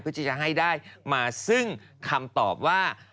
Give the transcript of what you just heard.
เพื่อที่จะให้ได้มาซึ่งคำตอบว่า